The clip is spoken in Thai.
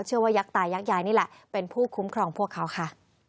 ยักษ์ตายักยายนี่แหละเป็นผู้คุ้มครองพวกเขาค่ะ